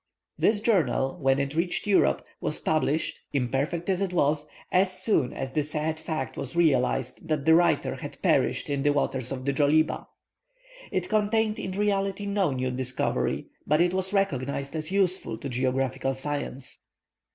This journal, when it reached Europe, was published, imperfect as it was, as soon as the sad fact was realized that the writer had perished in the waters of the Djoliba. It contained in reality no new discovery, but it was recognized as useful to geographical science.